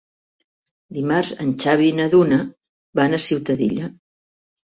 Dimarts en Xavi i na Duna van a Ciutadilla.